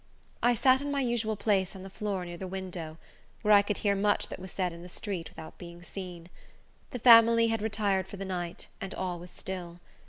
I sat in my usual place on the floor near the window, where I could hear much that was said in the street without being seen. The family had retired for the night, and all was still.